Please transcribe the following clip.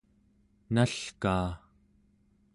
nalkaa